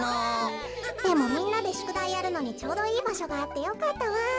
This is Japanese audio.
でもみんなでしゅくだいやるのにちょうどいいばしょがあってよかったわ。